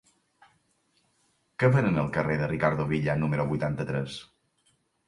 Què venen al carrer de Ricardo Villa número vuitanta-tres?